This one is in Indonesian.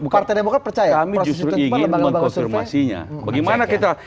kami justru ingin mengkonfirmasinya